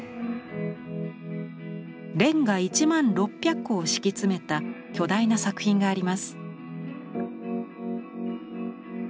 レンガ１万６００個を敷き詰めた巨大な作品があります。